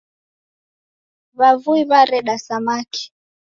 W'avui w'areda samaki.